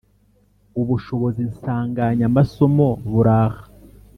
ubushobozi nsanganyamasomo buraha